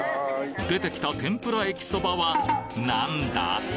出てきた天ぷらえきそばは何だ？